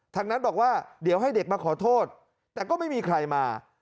ทางนั้นบอกว่าเดี๋ยวให้เด็กมาขอโทษแต่ก็ไม่มีใครมา